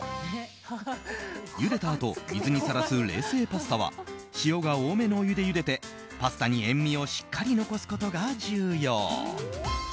ゆでたあと水にさらす冷製パスタは塩が多めのお湯でゆでてパスタに塩味をしっかり残すことが重要。